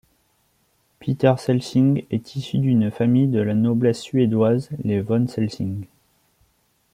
Peter Celsing est issu d'une famille de la noblesse suédoise, les von Celsing.